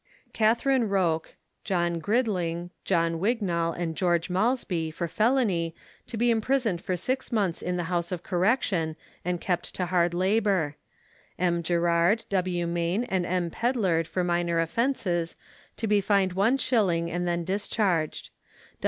Catherine Rouke, John Gidling, John Wignal, and George Malsby, for felony, to be imprisoned for six months in the House of Correction, and kept to hard labour. M. Gerard, W. Mayne and M. Pedlard for minor offences, to be fined one shilling and then discharged.